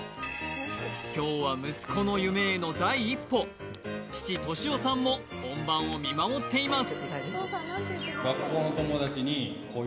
きょうは息子の夢への第一歩父としおさんも本番を見守っています